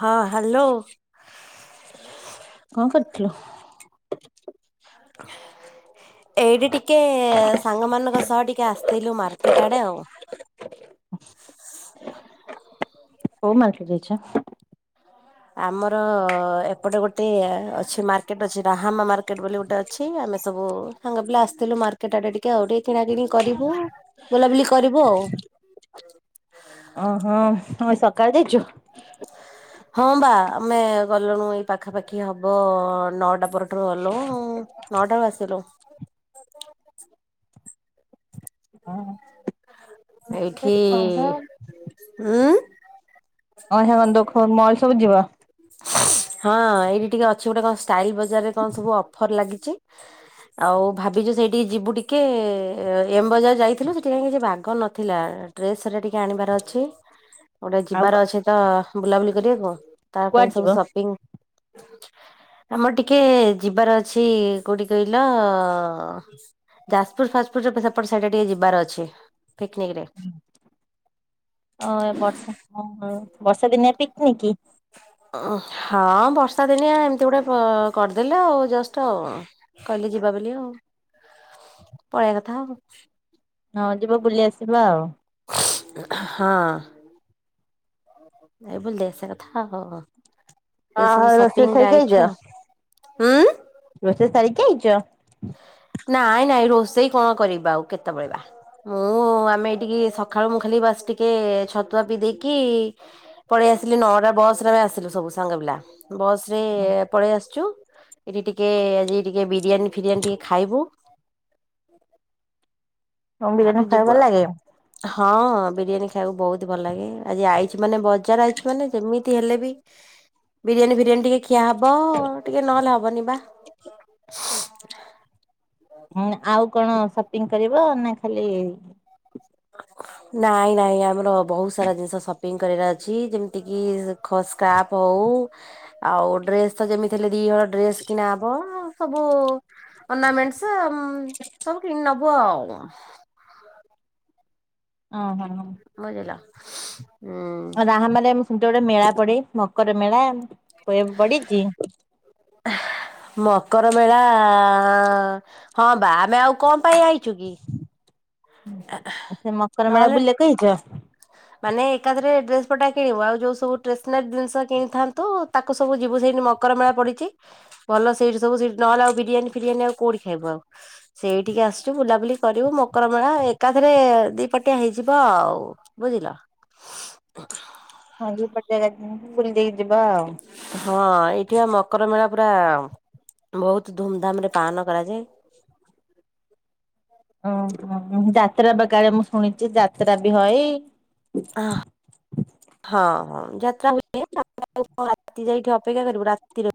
ହଁ ହ୍ୟାଲୋ। କଣ କରିୁଥିଲୁ? ହ ଏଇଠି ଟିକେ ସାଙ୍ଗମାନଙ୍କ ସହ ଟିକେ ଆସିଥିଲୁ ମାର୍କେଟ ଆଡେ ଆଉ। କୋଉ ମାର୍କେଟ ଯାଇଛ? ଆମର ଏପଟେ ଗୋଟେ ଅଛି ମାର୍କେଟ ଅଛି ରାହାମା ମାର୍କେଟ ବୋଲି ଗୋଟେ ଅଛି। ଆମେ ସବୁ ସାଙ୍ଗେ ପିଲା ଆସିଥିଲୁ ମାର୍କେଟ ଆଡେ ଟିକେ ଆଉ। ଟିକେ କିଣା କିଣି କରିବୁ। ବୁଲାବୁଲି କରିବୁ ଆଉ। ଓହୋ। ହଁ ଏ ସକାଳେ ଯାଇଛ? ହଁ ହଁ ବା ଆମେ ଗଲୁଇଁ ଏଇ ପାଖାପାଖି ହବ ନଅଟା ପରଠାରୁ ଗଲୁଇଁ। ନଅ ଟାରୁ ଆସିଲୁ। ଅଇଁଛା ଏଇଠି, ଉଁ ଅଇଖା କଣ ଦୋ ଖୋ ମଲ ସବୁ ଯିବ? ହଁ, ଏଇଠି ଟିକେ ଅଛି ଗୋଟେ କଣ ଷ୍ଟାଇଲ ବଜାରରେ କଣ ସବୁ ଅଫର ଲାଗିଛି? ଆଉ ଭାବିଛୁ ସେଇଠିକେ ଯିବୁ ଟିକେ ଏମ୍ ବଜାର ଯାଇଥିଲୁ ସେଠି କାଇଁ କି ବାଗ ନଥିଲା ଡ୍ରେସ୍ ହେରିକା ଟିକେ ଆଣିବାର ଅଛି। ଗୋଟେ ଆଉ ଯିବାର ଅଛେ ତ ବୁଲାବୁଲି କରିବାକୁ ତା କୁଆଡେ ପାଇଁ ଯିବ? ସବୁ ସପିଙ୍ଗ [inaudible] ଆମର ଟିକେ ଯିବାର ଅଛି କୋଉଠି କହିଲ ଯାଜପୁର ଫାଜଫୁୁର ସେପଟ ସେଇଟା ଟିକେ ଯିବାର ଅଛି ପିକନିକ୍ ରେ। ଓ ବର୍ଷା ବର୍ଷା ଦିନିଆ ପିକନିକି। ଉ ହଁ ବର୍ଷା ଦିନିଆ ଏମିତି ଗୋଟେ କ କରିଦେଲେ ଆଉ ଜଷ୍ଟ ଆଉ। କହିଲେ ଯିବା ବୋଲି ଆଉ ପଳେଇବା କଥା ଆଉ। ହଁ ଯିବ ବୁଲି ଆସିବା ଆଉ। ହଁ। ଏଇ ବୁଲି ଦେ ଆସିବା କଥା ଆଉ। ଏ ଓହୋ ସବୁ ରୋଷେଇ ସପିଙ୍ଗ ସାରିକି ଆଇଛ? ଯାଇଛୁ ଆଉ, ଉଁ। ରୋଷେଇ ସାରିକି ଆଇଛ? ନାଇଁ ନାଇଁ ରୋଷେଇ କଣ କରିବା ଆଉ କେତେବେଳେବା। ମୁଁ ଆମେ ଏଇଠିକି ସକାଳୁ ମୁଁ ଖାଲି ବାସ ଟିକେ ଛତୁଆ ପିଇ ଦେଇେକି ପଳେଇ ଆସିଲି ନଅଟା ବସରେ ଆମେ ଆସିଲୁ ସବୁ ସାଙ୍ଗ ପିଲା। ବସ ରେ ପଳେଇ ଆସିଛୁ ଏଠି ଟିକେ ଆଜି ଟିକେ ବିରିୟାନୀ ଫିରିଆନି ଟିକେ ଖାଇବୁ। ତମକୁ ବିରିୟାନୀ ତାପରେ ଖାଇବାକୁ ଯିବୁ ଭଲ ଲାଗେ? ଆଉ। ହଁ ବିରିୟାନୀ ଖାଇବାକୁ ବହୁତ ଭଲ ଲାଗେ ଆଜି ଆଇଛି ମାନେ ବଜାର ଆଇଛି ମାନେ ଯେମିତି ହେଲେ ବି ବିରିୟାନୀ ଫିରିୟାନୀ ଟିକେ ଖିଆ ହବ ଟିକେ ନହେଲେ ହବନି ବା। ହୁଁ ଆଉ କଣ ସପିଂ କରିବ ନା ଖାଲି [inaudible] ନାଇଁ ନାଇଁ ଆମର ବହୁତ ସାରା ଜିନିଷ ସପିଙ୍ଗ କରିବାର ଅଛି ଯେମିତି କିି ଖ ସ୍କାପ୍ ହଉ ଆଉ ଡ୍ରେସ୍ ତ ଯେମିତି ହେଲେ ଦିହଳ ଡ୍ରେସ୍ କିଣା ହବ ସବୁ ଅଣାମେଣ୍ଟସେ ସବୁ କିଣି ନବୁ ଆଉ। ହଁ, ହଁ, ହଁ। ବୁଝିଲ ହୁଁ ରାହା ମାରେ ସେମିତି ଗୋଟେ ମେଳା ପଡ଼େ ମକର ମେଳା କହିବା ପଡିଛି। ମକର ମେଳା ଆ ହଁ ବା ଆମେ ଆଉ କଣ ପାଇଁ ଆଇଛୁ କି? ସେ ମକର ମେଳା ନହେଲେ ବୁଲିବାକୁ ଆଇଛ? ମାନେ ଏକାଥରରେ ଡ୍ରେସ୍ ପଟା କିଣିବ ଆଉ ଯୋଉ ସବୁ ଟେସେନାରି ଜିନିଷ କିଣିଥାନ୍ତୁ ତା କୁ ସବୁ ଯିବୁ ସେଇଠି ମକର ମେଳା ପଡ଼ିଚି। ଭଲ ସେଇଠୁ ସବୁ ସେଠି ନହେଲେ ଆଉ ବିରିୟାନୀ ଫିରିୟାନ ଆଉ କଉଠି ଖାଇବ ଆଉ। ସେଇଠିକି ଆସଛୁ ବୁଲାବୁଲି କରିବୁ ମକରମେଳା ଏକାଥରେ ଦୁଇ ପଟିଆ ହେଇଯିବ ଆଉ। ବୁଝିଲ। ହଁ ଯାତ୍ରାବୁଲି ଦେଇକି ଯିବା ଆଉ। ହଁ ଏଇଠି ବା ମକର ମେଳା ପୁରା ବହୁତ ଧୁମଧାମ ରେ ପାଳନ କରାଯାଏ। ଓ ଯାତ୍ରା ବା କାଳେ ମୁଁ ଶୁଣିଛି ଯାତ୍ରା ବି ହୁଏ। ଆ ହଁ ହଁ ଯାତ୍ରା ହୁଏ ରାତି [unintelligible] ଯାଇକି ଅପେକ୍ଷା କରିବୁ ରାତି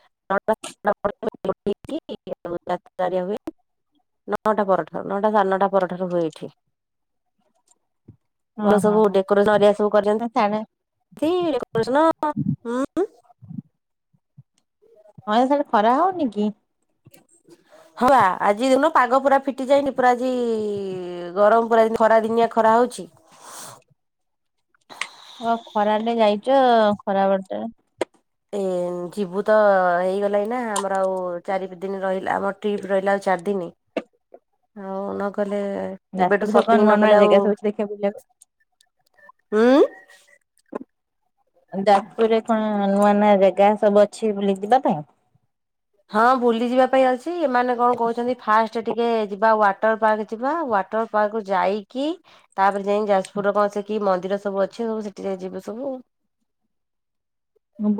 [unintelligible] ହୁଏ। ନଅଟା ପର ଠାରୁ ନଅଟା ସାଢ଼ ନଅଟା ପର ଠାରୁ ହୁଏ ଏଠି। ହଁ ହଁ ହଁ। ସାଡେ [unintelligible] [inaudible] [inaudible] ଗରମ୍----ଖରା ଦିନିଆ ଖରା ହଉଛି। [unintelligible] [inaudible] ଯିବୁ ତ ହେଇଗଲା ନା ଆମର ଆଉ ଚାରିପ୍ ଦିନ୍‌ ରହିଲା, ଆମ ଟ୍ରିପ୍ ରହିଲା ଆଉ ଚାର୍ ଦିନି, ଆଉ ନ ଗଲେ। ଏବେଠୁ ଯାଜପୁରରେ ସବୁ କଣ ଶପିଙ୍ଗ୍ ନୂଆ ନ ନୂଆ କଲେ ଆଉ। ଜାଗା ସବୁ ଅଛି ଦେଖିବାକୁ ବୁଲିବାକୁ? ଯା---ପୁର୍ ରେ ନୂଆ ନୂଆ ଜେଗା ସବୁ ଅଛି ବୁଲି ଯିବା ପାଇଁ? ହଁ, ବୁଲି ଯିବା ପାଇଁ ଅଛି। ଏମାନେ କ'ଣ କହୁଛନ୍ତି ଫାଷ୍ଟେ ଟିକେ ଯିବା ୱାଟର୍ ପାର୍କ ଯିବା, ୱାଟ ପାର୍କ ରୁ ଯାଇକି। [inaudible]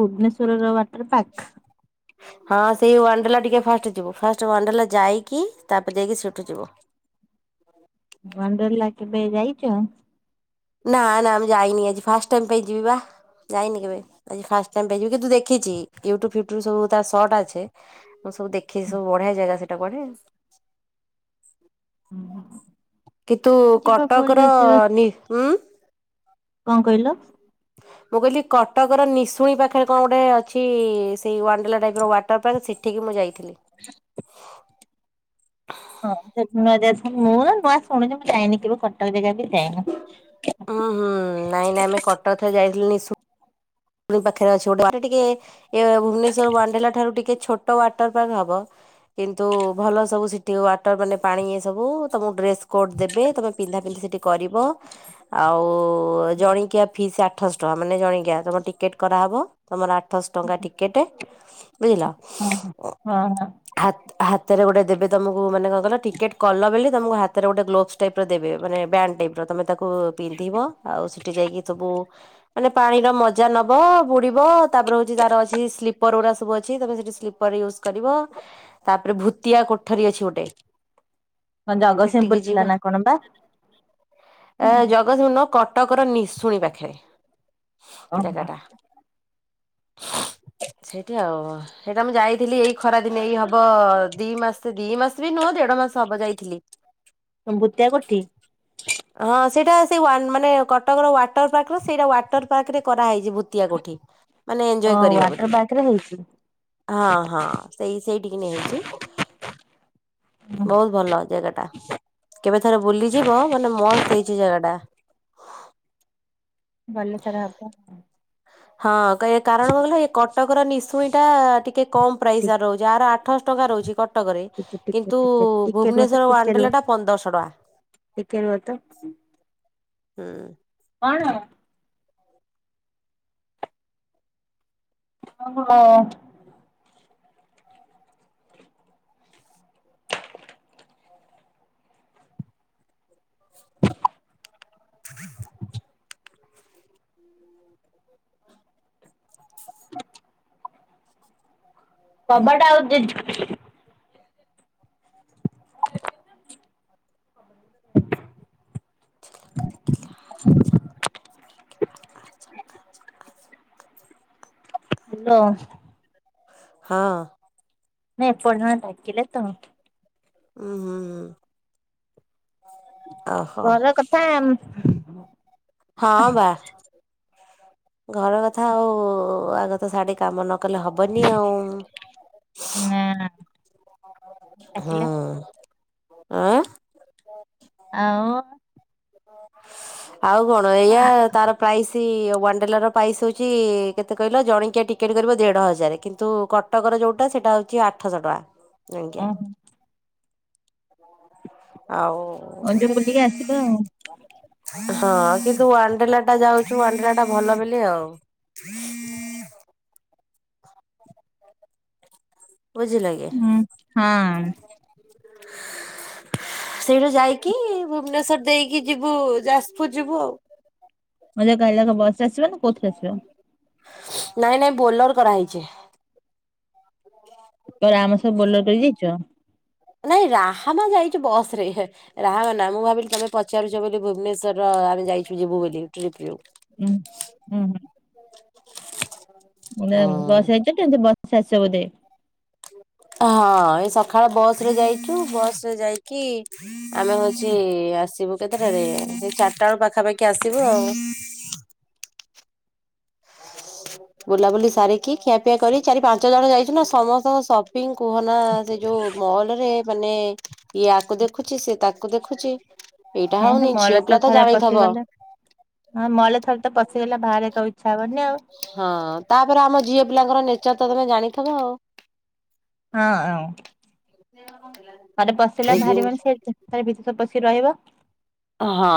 ଭୁବ୍ନେଶ୍ୱର ର ୱାଟର୍ ପାକ୍। ହଁ, ସେଇ ୱାଣ୍ଡେଲା ଟିକେ ଫାଷ୍ଟ ଯିବୁ। ଫାଷ୍ଟେ ୱାଣ୍ଡେଲା ଯାଇକି, ତା'ପ ଯାଇକି ସେଠୁ ଯିବୁ। ଣ୍ଡେଲା କେବେ ଯାଇଚ? ନା ନା, ମୁଁ ଯାଇନି। ଆଜି ଫାଷ୍ଟ୍ ଟାଇମ୍ ପାଇଁ ଯିବି ବା। ଯାଇନି କେବେ, ଆଜି ଫାଷ୍ଟ୍ ଟାଇମ୍ ପାଇଁ ଯିବି। କିନ୍ତୁ ଦେଖିଚି, ୟୁଟୁବ୍‌ ଫ୍ୟୁଟୁବ୍ ସବୁ ତା ଟା ଅଛେ। ମୁଁ ସବୁ ଦେଖି ବଢ଼ିଆ ଜାଗା ସେଟା କୁଆଡ଼େ। ହୁଁ ହୁଁଁ। କିତୁ କଟକ୍ ର ଉଁ ଙ୍କ କଇଲ? ମୁଁ, କଇଲି କଟକର ନିଶୁଣି ପା---ରେ କ'ଣ ଗୋଟେ ଅଛି। ସେଇ ୱାଣ୍ଡେଲା ଟାଇପ୍ ର ୱାଟର୍ ପାର୍କ ଏଠିକି ମୁଁ ଯାଇଥିଲି। [unintelligible] [inaudible] ଭୁବ୍ନେଶ୍ୱର୍ ୱାଣ୍ଡେଲା ଠାରୁ ଟିକେ ଛୋଟ ୱାଟର୍ ପାର୍କ ହବ। କିନ୍ତୁ ଭଲ ସବୁ ସିଟିଙ୍ଗ୍, ୱାଟର୍ ମାନେ ପାଣି ସବୁ ତମ ଡ୍ରେସ୍‌ କୋଟ୍ ଦେବେ, ତମେ ପିନ୍ଧା ପିନ୍ଧି ସେଠି କରିବ। ଆଉ ଜଣିକିଆ ଫିସ୍‌ ଆଠଶ୍ ଟଙ୍କା ମାନେ ଜଣିକିଆ ତମ ଟିକେଟ୍ କରା ହବ। ତମର ଆଠଶ୍ ଟଙ୍କା ଟିକେଟେ, ବୁଜିଲ। ହଁ ହଁ ହଁ ହଁ। ହାତେରେ ଗୋଟେ ଦେବେ ତମକୁ। ମାନେ ଟିକେଟ୍ କଲ ବଲି ତମକୁ ହାତରେ ଗୋଟେ ଗ୍ଲୋବ୍ସ ଟାଇ ଦେବେ ମାନେ ବା ଟାଇପ୍ ର ତମେ ତାକୁ ପିନ୍ଧିବ, ଆଉ ସେଠି ଯାଇକି ସବୁ ମାନେ ପାଣିର ମ ଜା ନବ, ବୁଡ଼ିବ, ତା'ପରେ ହଉଚି ତା'ର ଅଛି, ସ୍ଲିପର୍ ଗୁ---ସବୁ ଅଛି। ତମେ ସେଠି ସ୍ଲିପର୍ ୟୁଜ୍ କରିବ, ତା'ପରେ ଭୁତିଆ କୋ ଠରୀ ଅଛି ଗୋଟେ, ହଁ ଜଗତସିଂହପୁର ସେଟିକି ଥିଲା ଯିବ। ନା କଣ ବା ଏ ଜଗତ୍----ନୁହଁ, କଟକର ନିଶୁଣି ପାଖେ ଜାଗାଟା ଓହୋ ସେଇଠି ଆଉ। ସେଇଟା ମୁଁ ଯାଇଥିଲି ଏଇ ଖରା ଦିନେ, ଏଇ ହବ ଦି ମାସ୍‌, ଦି ମାସ୍‌ ବି ନୁହଁ ଦେଢ଼ ମାସ୍‌ ହବ ଯାଇଥିଲି। ଭୂତିଆ କୋଠି। ହଁ, ସେଇଟା ସେଇ ମାନେ କଟକର ୱାଟର୍ ପାର୍କ ର ସେଇରା ୱାଟର୍ ପାକେ ରେ କରା ହେଇଚି ପଠିଆପଠି ମାନେ ଓ ଏନ୍ଜୟ କରବା ୱାଟର ବୋଲି। ପାର୍କ ରେ ହେଇଛି। ହଁ ହଁ, ସେଇ ସେଇଠିକି ନେଇ ଆଇଚି। ବହୁତ ଭଲ ଜାଗାଟା। କେବେ ଥରେ ବୁଲି ଯିବ? ମସ୍ତ ହେଇଛି ସେ ଜାଗାଟା। ଗଲେ ଥରେ ହବ। ହଁ କାରଣ କଣ କହିଁଲ? ଏ କଟକର ନିଶୁଣଟା ଟିକେ କମ୍ ପ୍ରାଇସର ଟିକେ ରହୁଛି। ଆ ର ଆଠଶହ ଟଙ୍କା ରହୁଚି। କଟକରେ ଟିକେ କିନ୍ତୁ ଟିକେ ଟିକେ ରୁହ ତ ଭୁବନେଶ୍ଵର ୱାଣ୍ଡ୍ରେଲା ଟା ପନ୍ଦରଶହ ଟଙ୍କା। ହୁଏ ତ ହଁ। କଣ? ଓହୋ। ହ [inaudible] କବାଟ ଆଉଜି ଦେଇଚି। [inaudible] [inaudible] ହ୍ୟାଲୋ। ହଁ। ନାଇଁ, ଏପଟେ ଜଣେ ଡାକିଲେ ତ ମୋତେ। ଉଁ ହୁଁ ହୁଁ। ଓହୋ ଘର କଥା। ହଁ ବା ଘର କଥା ଆଉ। ଆଗ ତ ସାଡେ କାମ ନ କଲେ ହବନି ଆଉ। ନାଁ ନାଁ। ହଁ। ଆଉ। ଆଉ କଣ? ଏଇଆ, ତାର ପ୍ରାଇସ୍। ସେ ୱାଣ୍ଡ୍ରେଲାର ପ୍ରାଇସ୍ ହେଉଛି, କେତେ କହିଲ ଜଣିକିଆ ଟିକେଟ୍ କରିବ ଦେଢ ହଜାର କିନ୍ତୁ କ କଟକରେ ଯଉଁଟା ସେଇଟା ହଉଛି ଆଠଶହ ଟଙ୍କା। ଓହୋ ଆଉ। ହଁ, ଟିକେ କି ବୁଲିକି ଆସିବେ ଆଉ। ହଁ କିନ୍ତୁ ୱାଣ୍ଡ୍ରେଲା ଟା ଯାଉଛୁ ୱାଣ୍ଡ୍ରେଲାଟା ଭଲ ବିଲି ଆଉ। ବୁଝିଲେ ଆଜ୍ଞା। ହୁଁ, ହଁ। ସେଇଟା ଯାଇକି ଭୁବନେଶ୍ଵର ଦେଇକି ଯିବୁ ଯାଜପୁର ଯିବୁ। ମୁଁ କଇଲି କାଲି ଆମ ବସରେ ଆସିବ, ନା କୋଉଥିରେ ଆସିବ। ନାଇଁ ନାଇଁ ବୋଲର କରା ହେଇଛି। ତଳେ ଆମ ସବୁ ବୋଲର ଦେଇ ଦେଇଚ। ନାଇଁ, ରାହାମା ଯାଇଚି ବସରେ। ହେ। ରାହାମା। ନା, ମୁଁ ଭାବିଲି ତମେ ପଚାରୁଛ ବୋଲି ଭୁବନେଶ୍ଵର ଆମେ ଯାଇଛୁ ଯିବୁ ବୋଲି ଟ୍ରିପ୍ ରୁ। [inaudible] ଉଁ ମାନେ ବସରେ ଯାଇଛ ଟି। ବସରେ ଆସିବ ବୋଧ। ହଁ ଏ ସକାଳ ବସରେ ଯାଇଛୁ। ବସରେ ଯାଇକି ଆମେ ହଉଚି, ଆସିବୁ କେତେଟା ବେଳେ ସେଇ ଚାରିଟା ପାଖାପାଖି ଆସିବୁ ଆଉ। ବୁଲାବୁଲି ସାରିକି ଖିଆପିଆ କରି ଚାରି ପାଞ୍ଚ ଜଣ ଯାଇଛୁ ନା ସମସ୍ତଙ୍କୁ ସ ପିଙ୍କ କୁହନା ସେ ଯୋଉ ମହଲ ରେ ମାନେ ଇଏ ଆକୁ ଦେଖୁଛି ସିଏ ତାକୁ ଦେଖୁଛି ଏଇଟା ହଁ ସେ ହଉନି ମଲ୍ ଝିଅ ରେ ପିଲା ତ ଥରେ ଜାଣିଥବ ପଶିଗଲେ ହଁ ମହଲ ରେ ଥରେ ତ ପଶିଗଲେ ବାହାରିବାକୁ ଆଉ ଇଚ୍ଛା ହବନି ଆଉ ହଁ ତାପରେ ଆମ ଝିଅ ପିଲାଙ୍କର ନେଚର ତ ତମେ ଜାଣିଥିବ ଆଉ ହଁ ଆଉ ଦେଓଗାଁ କଣ ଥିଲା ଥରେ ପଶିଗଲା ଭାରି ମାନେ ସେ ଭିତରେ ପଶିକି ରହିବ ହଁ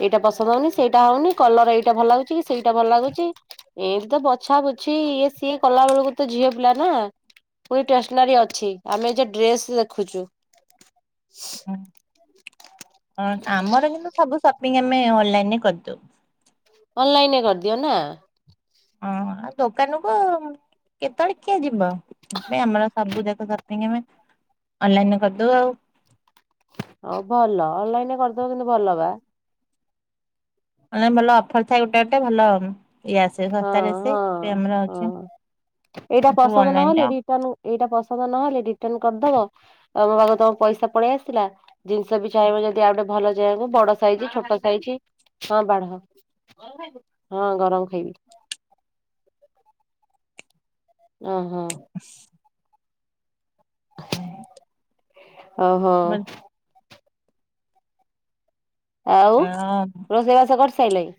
ଏଇଟା ପସନ୍ଦ ହଉନି ସେଇଟା ହଉନି କଲର ଏଇଟା ଭଲ ଲାଗୁଛି କି ସେଇଟା ଭଲ ଲାଗୁଛି ଏ ତ ବଛା ବୁଛି ଇଏ ସିଏ କଲା ବେଳକୁ ତ ଝିଅ ପିଲା ନା ପୁଣି ଷ୍ଟେସନାରୀ ଅଛି ଆମେ ଏଯାଏ ଡ୍ରେସ ଦେଖୁଛୁ ହଁ ଆମର କିନ୍ତୁ ସବୁ ସପିଙ୍ଗ ଆମେ ଅନଲାଇନରେ କରିଦଉ ଅନଲାଇନ ରେ କରିଦିଅ ନା ଓଁ ଆଉ ଦୋକାନକୁ କେତେଳେ କିଏ ଯିବ ସେଥିପାଇଁ ଆମର ସବୁଜାକ ସପିଂ ଆମେ ଅନଲାଇନରେ କରିଦଉ ଆଉ ହଉ ଭଲ ଅନଲାଇନରେ କରିଦବ କିନ୍ତୁ ଭଲ ବା ମାନେ ଭଲ ଅଫର ଥାଏ ଗୋଟେ ଗୋଟେ ଭଲ ଇଏ ଆସେ ହଁ ଶସ୍ତାରେ ଆସେ ହଁ ସେଥିପାଇଁ ଆମର ହଉଛି ହଁ ଏଇଟା ସବୁ ପସନ୍ଦ ଅନଲାଇନ୍ ନହେଲେ ରେ ରି ତନୁ ଏଇଟା ପସନ୍ଦ ନହେଲେ ରିଟଣ କରିଦବ ତମ ପାଖକୁ ତମ ପଇସା ପଳେଇ ଆସିଲା ଜିନିଷ ବି ଚାହିଁବ ଯଦି ଆଉ ଗୋଟେ ଭଲ ଯାହାକୁ ବଡ ସାଇଜ ଛୋଟ ସାଇଜ ହଁ ବାଢ ହଁ ଗରମ ଖାଇବି ଓ ହୋ ବସ୍ ହୁଁ ଓହୋ ଆଉ ରୋଷେଇବାସ କରିସାରିଲେଣି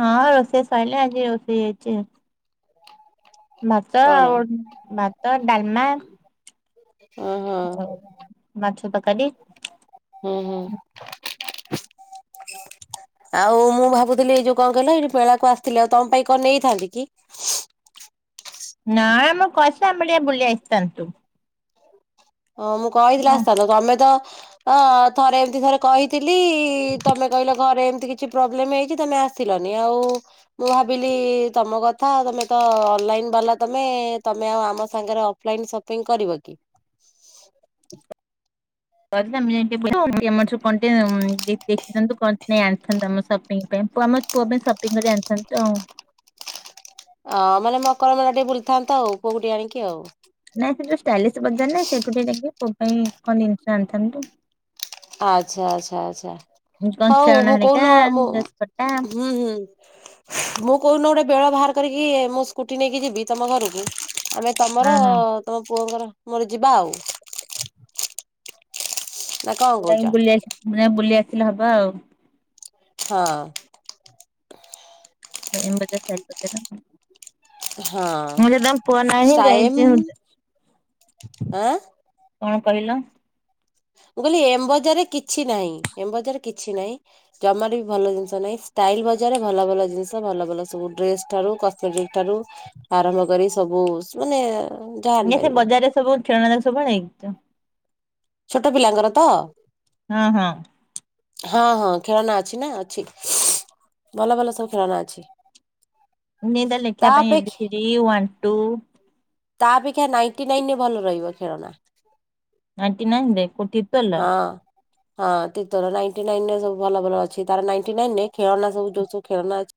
ହଁ ରୋଷେଇ ସରିଲା ଆଜି ରୋଷେଇ ହୋଇଛି ଭାତ କଣ ଆଉ ଭାତ ଡାଲମା ଓହୋ ହଉ ମାଛ ତରକାରୀ ହୁଁ ହୁଁ ଆଉ ମୁଁ ଭାବୁଥିଲି ଏଇ ଯୋଉ କଣ କହିଲ ଏଇଠି ମେଳାକୁ ଆସିଥିଲି ଆଉ ତମ ପାଇଁ କଣ ନେଇଥାନ୍ତି କି ନା ମ କହିଥିଲେ ଆମେ ଟିକେ ବୁଲି ଆସିଥାନ୍ତୁ ହଁ ମୁଁ କହିଥିଲେ ହଁ ଆସିଥାଆନ୍ତ ତମେ ତ ଅ ଥରେ ଏମିତି ଥରେ କହିଥିଲି ତମେ କହିଲ ଘରେ ଏମିତି କିଛି ପ୍ରୋବ୍ଲେମ ହେଇଛି ତମେ ଆ ସିଲନି ଆଉ ମୁଁ ଭାବିଲି ତମ କଥା ତମେ ତ ଅନଲାଇନ ବାଲା ତମେ ତମେ ଆଉ ଆମ ସାଙ୍ଗରେ ଅଫଲାଇନ୍ ସପିଂ କରିବ କି କରିବା ମେନ ଟେ ଓଲଟିଆ ମାଛ କଣ୍ଟିଆ ଦେଖିଥାନ୍ତୁ କଣ ନାଇଁ ଆଣିଥାନ୍ତୁ ଆମ ସପିଙ୍ଗ ପାଇଁ ଆମ ପୁଅ ପାଇଁ ସପିଂ କରି ଆଣିଥାନ୍ତୁ ଆଉ ଅ ମାନେ ମକର ମେଳା ଟିକେ ବୁଲିଥାନ୍ତ ଆଉ ପୁଅକୁ ଟିକେ ଆଣିକି ଆଉ ନାଇଁ ସେ ଯୋଉ ଷ୍ଟାଇଲିସ୍ ବଜାର ନାଇଁ ସେଇଠୁ ଟିକେ ଯାଇକି ପୁଅ ପାଇଁ କଣ ଜିନିଷ ଆଣିଥାନ୍ତୁ ଆଚ୍ଛା ଆଚ୍ଛା ଆଚ୍ଛା କଣ ହଉ ଖେଳଣା ମୁଁ ହେରିକା କଉନ ମୁଁ ଡ୍ରେସ୍ ପଟା ହୁଁ ହୁଁ ମୁଁ କୋଉଦିନ ଗୋଟେ ବେଳ ବାହାର କରିକି ମୁଁ ସ୍କୁଟି ନେଇକି ଯିବି ତମ ଘରକୁ ଆମେ ହଁ ତମର ଅ ହଁ ତମ ପୁଅଙ୍କର ମୋର ଯିବା ଆଉ। ନା କଣ ଯାଇକି କହୁଛ? ବୁଲି ଆସ ବୁଲି ଆସିଲେ ହବ ଆଉ। ହଁ। ହଁ ଷ୍ଟାଇମ୍ [unintelligible] ଆଁ। କଣ କହିଲ? ମୁଁ କହିଲି ଏମ୍ ବଜାରରେ କିଛି ନାହିଁ ଏମ୍ ବଜାରରେ କିଛି ନାହିଁ। ଜମାରୁ ବି ଭଲ ଜିନିଷ ନାହିଁ ଷ୍ଟାଇଲ ବଜାରରେ ଭଲ ଭଲ ଜିନିଷ ଭଲ ଭଲ ସବୁ ଡ୍ରେସ୍ ଠାରୁ କସ୍ମେଟିକ ଠାରୁ ଆରମ୍ଭ କରି ସବୁ ମାନେ ଯାହା ଆଜ୍ଞା ସେ ଆଣିପାରିବ। ବଜାରରେ ସବୁ ଖେଳନା ସବୁ [unintelligible] ଛୋଟ ପିଲାଙ୍କର ତ ହଁ ହଁ। ହଁ ହଁ ଖେଳନା ଅଛି ନା ଅଛି। ଭଲ ଭଲ ସବୁ ଖେଳନା ଅଛି। [unintelligible] ତା ଲେଖିବା ପାଇଁ ଏ ଅପେକ୍ଷା B C D one two ତା ଅପେକ୍ଷା ନାଇଣ୍ଟି ନାଇନରେ ଭଲ ରହିବ ଖେଳନା। ନାଇଣ୍ଟି ନାଇନରେ କଉଠି ତିର୍ତୋଲ ର। ହଁ ହଁ ତିର୍ତୋଲ ର ନାଇଣ୍ଟି ନାଇନରେ ସବୁ ଭଲ ଭଲ ଅଛି ତାର ନାଇଣ୍ଟି ନାଇନରେ ଖେଳନା ସବୁ ଯୋଉ ସବୁ ଖେଳନା ଅଛି